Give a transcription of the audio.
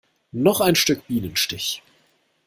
Noch ein Stück Bienenstich?